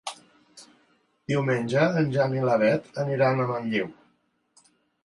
Diumenge en Jan i na Beth aniran a Manlleu.